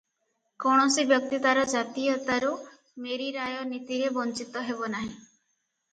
କୌଣସି ବ୍ଯକ୍ତି ତାର ଜାତୀୟତାରୁ ମେରୀରାୟ ନୀତିରେ ବଞ୍ଚିତ ହେବନାହିଁ ।